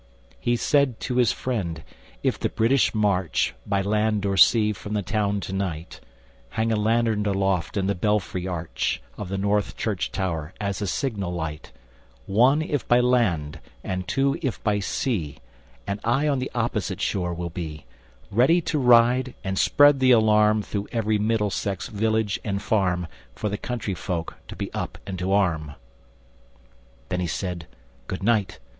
He said to his friend, ŌĆ£If the British march By land or sea from the town to night, Hang a lantern aloft in the belfry arch Of the North Church tower as a signal light, ŌĆö One, if by land, and two, if by sea; And I on the opposite shore will be, Ready to ride and spread the alarm Through every Middlesex village and farm For the country folk to be up and to arm, ŌĆØ Then he said, ŌĆ£Good night!